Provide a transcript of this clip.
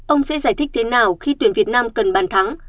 ông sẽ giải thích thế nào khi tuyển việt nam cần bàn thắng